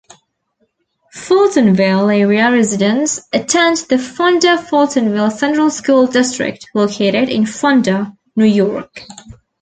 Fultonville area residents attend the Fonda-Fultonville Central School District, located in Fonda, New York.